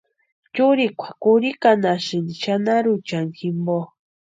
Churikwa kurhikanhasïnti xanaruchani jimpo.